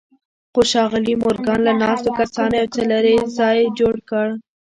خو ښاغلي مورګان له ناستو کسانو یو څه لرې ځای جوړ کړ